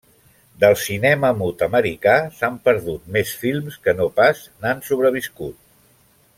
Del cinema mut americà s'han perdut més films que no pas n'han sobreviscut.